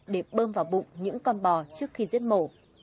để bơm vào bụng những con bò trước khi giết mổ